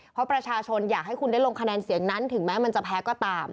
เพราะประชาชนอยากให้คุณได้ลงคะแนนเสียงนั้นถึงแม้มันจะแพ้ก็ตาม